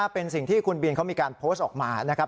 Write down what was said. เป็นสิ่งที่คุณบินเขามีการโพสต์ออกมานะครับ